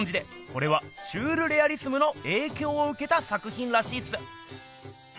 これはシュールレアリスムのえいきょうをうけた作品らしいっす。